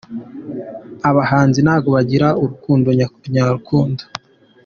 Abahanzi ntago bagira urukundo nyarukundo